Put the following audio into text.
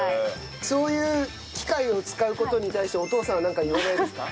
そういう機械を使う事に対してお父さんはなんか言わないんですか？